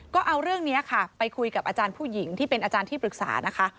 ก็เอาเรื่องนี้ค่ะไปคุยกับอาจารย์ผู้หญิงที่เป็นอาจารย์ที่ปรึกษานะคะ